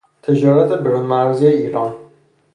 تجارت برون مرزی ایران